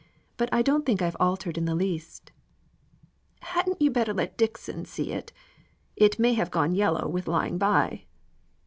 But I don't think I've altered in the least." "Hadn't you better let Dixon see it? It may have gone yellow with lying by."